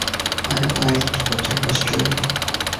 I liked what I was doing.